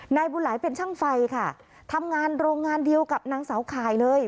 นายบุญหลายเป็นช่างไฟค่ะทำงานโรงงานเดียวกับนางสาวข่ายเลย